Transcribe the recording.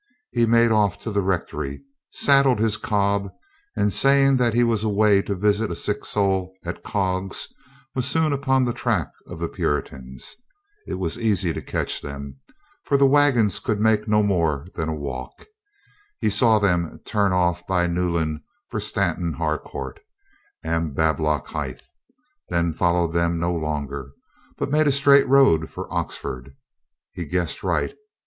He made off to the rectory, sad dled his cob and saying that he was away to visit a sick soul at Cogges, was soon upon the track of the Puritans. It was easy to catch them, for the wagons could make no more than a walk. He saw them turn off by Newland for Stanton Harcourt and Bab lockhithe, then followed them no longer, but made a straight road for Oxford. He guessed right.